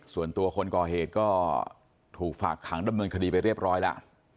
ส่วนตัวคนก่อเหตุก็ถูกฝากขังดำเนินคดีไปเรียบร้อยแล้ว